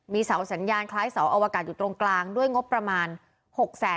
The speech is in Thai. เสาสัญญาณคล้ายเสาอวกาศอยู่ตรงกลางด้วยงบประมาณ